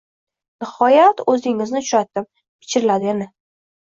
— Nihoyat o’zingizni uchratdim. – Pichirladi yana.